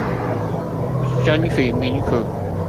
爭取民主